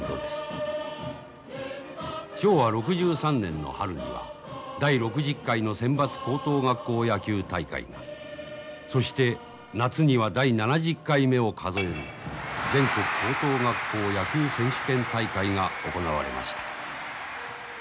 昭和６３年の春には第６０回の選抜高等学校野球大会がそして夏には第７０回目を数える全国高等学校野球選手権大会が行われました。